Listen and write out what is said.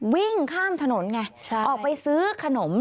วิ่งข้ามถนนไงออกไปซื้อขนม